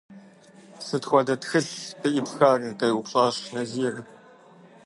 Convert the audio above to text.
– Сыт хуэдэ тхылъ къеӀыпхар? – къеупщӀащ Назир.